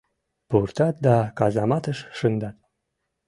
Пуртат да казаматыш шындат.